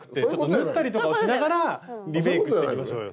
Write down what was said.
縫ったりとかをしながらリメイクしていきましょうよ。